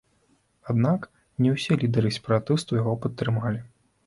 Аднак не ўсе лідары сепаратыстаў яго падтрымалі.